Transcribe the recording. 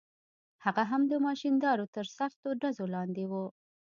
هغه هم د ماشیندارو تر سختو ډزو لاندې و.